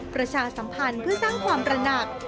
ประชาสัมพันธ์เพื่อสร้างความระหนัก